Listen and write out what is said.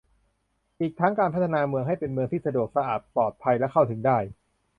อีกทั้งการพัฒนาเมืองให้เป็นเมืองที่สะดวก สะอาด ปลอดภัย และ เข้าถึงได้